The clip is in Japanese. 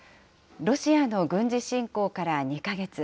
ロシアの軍事侵攻から２か月。